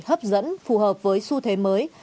hấp dẫn phù hợp với xu thế mới